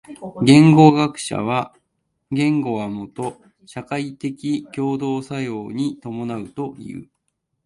言語学者は言語はもと社会的共同作用に伴うという。